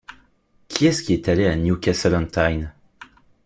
Qui est-ce qui est allé à Newcastle-on-Tyne?